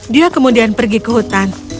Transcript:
dia kemudian pergi ke hutan